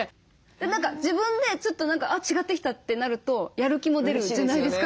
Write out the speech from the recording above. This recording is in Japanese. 何か自分でちょっと何かあっ違ってきたってなるとやる気も出るじゃないですか。